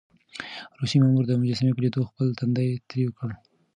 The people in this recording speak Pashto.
روسي مامور د مجسمې په ليدو خپل تندی تريو کړ.